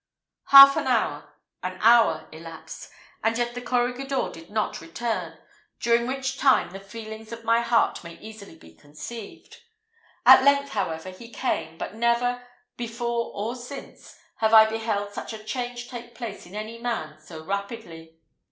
Half an hour an hour elapsed, and yet the corregidor did not return, during which time the feelings of my heart may easily be conceived. At length, however, he came, but never, before or since, have I beheld such a change take place in any man so rapidly.